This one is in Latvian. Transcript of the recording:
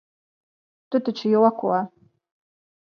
Tu taču joko?